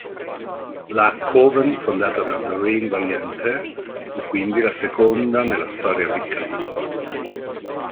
La "coven" fondata da Doreen Valiente fu quindi la seconda nella storia wiccan.